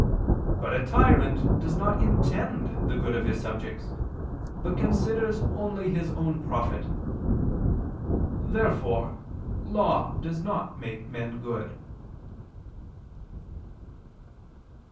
But a tyrant does not intend the good of his subjects, but considers only his own profit. Therefore law does not make men good.